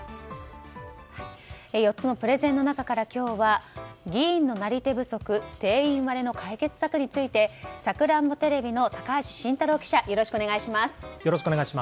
４つのプレゼンの中から今日は議員のなり手不足定員割れの解決策についてさくらんぼテレビの高橋信太郎記者